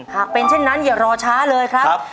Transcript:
หากเป็นเช่นนั้นอย่ารอช้าเลยครับ